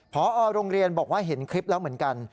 พอโรงเรียนบอกว่าเห็นคลิปแล้วเหมือนกัน